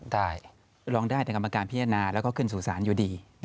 ได้ร้องได้แต่กรรมการพิจารณาแล้วก็ขึ้นสู่ศาลอยู่ดี